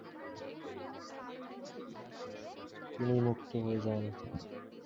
তিনি মুক্ত হয়ে যান।